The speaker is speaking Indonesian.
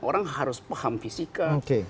orang harus paham fisika